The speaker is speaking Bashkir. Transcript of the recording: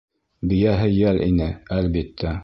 Бейәһе йәл ине, әлбиттә.